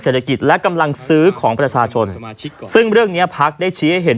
เศรษฐกิจและกำลังซื้อของประชาชนซึ่งเรื่องเนี้ยพักได้ชี้ให้เห็น